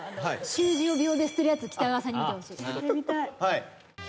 習字を秒で捨てるやつ北川さんに見てほしい。